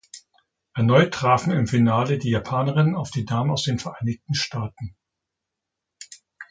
Erneut trafen im Finale die Japanerinnen auf die Damen aus den Vereinigten Staaten.